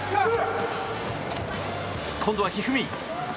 今度は一二三。